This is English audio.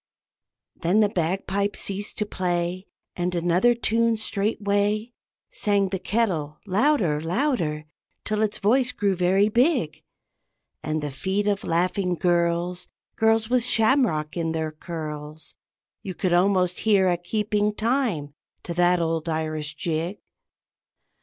Then the bagpipe ceased to play, And another tune straightway Sang the kettle, louder, louder, till its voice grew very big; And the feet of laughing girls (Girls with shamrock in their curls) You could almost hear a keeping time to that old Irish jig.